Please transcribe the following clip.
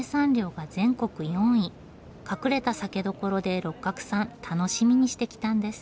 隠れた酒どころで六角さん楽しみにしてきたんです。